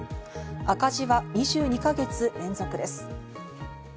赤字は２２か月連続です。